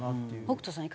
北斗さん